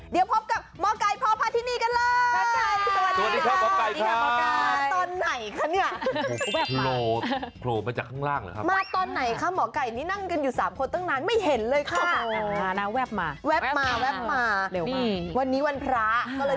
เดี๋ยวพบกับหมอไก่พ่อพาทินีกันเลย